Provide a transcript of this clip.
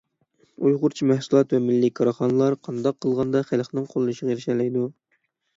ئۇيغۇرچە مەھسۇلات ۋە مىللىي كارخانىلار قانداق قىلغاندا خەلقنىڭ قوللىشىغا ئېرىشەلەيدۇ؟